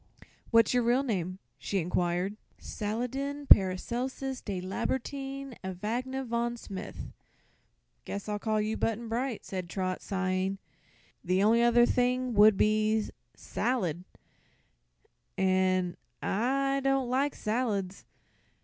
"What's your real name?" she inquired. "Saladin Paracelsus de Lambertine Evagne von Smith." "Guess I'll call you Button Bright," said Trot, sighing. "The only other thing would be 'Salad,' an' I don't like salads.